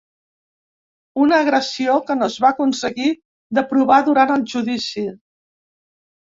Una agressió que no es va aconseguir de provar durant el judici.